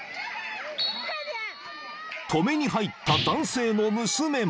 ［止めに入った男性の娘も］